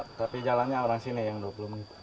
tapi jalannya orang sini yang dua puluh menit